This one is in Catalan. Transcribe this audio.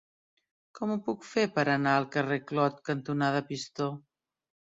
Com ho puc fer per anar al carrer Clot cantonada Pistó?